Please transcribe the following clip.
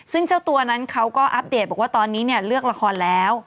ซึ่งเจ้าตัวนั้นเขาก็อัปเดตบอกว่าตอนนี้เนี่ยเลือกละครแล้ว